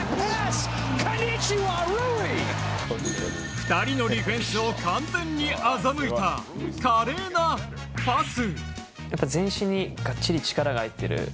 ２人のディフェンスを完全に欺いた華麗なパス。